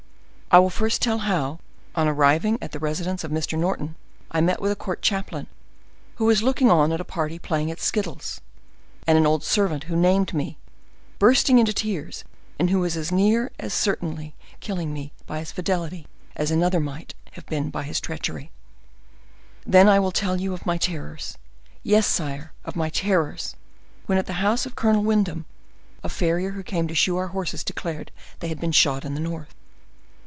"I will first tell how, on arriving at the residence of Mr. Norton, I met with a court chaplain, who was looking on at a party playing at skittles, and an old servant who named me, bursting into tears, and who was as near and as certainly killing me by his fidelity as another might have been by treachery. Then I will tell of my terrors—yes, sire, of my terrors—when, at the house of Colonel Windham, a farrier who came to shoe our horses declared they had been shod in the north."